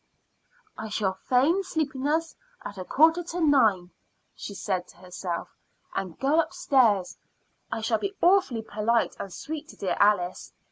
"I shall feign sleepiness at a quarter to nine," she said to herself, "and go upstairs. I shall be awfully polite and sweet to dear Alice.